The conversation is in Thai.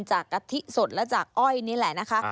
กะทิสดและจากอ้อยนี่แหละนะคะ